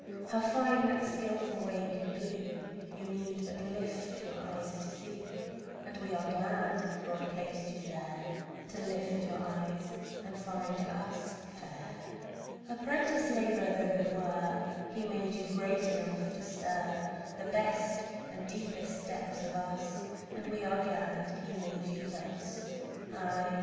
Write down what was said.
How fine that skilful way can be You need but lift your eyes to see; And we are glad God placed you there To lift your eyes and find us fair. Apprentice labour though you were, He made you great enough to stir The best and deepest depths of us, And we are glad He made you thus. Aye!